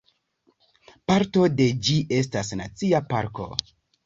Parto de ĝi estas nacia parko.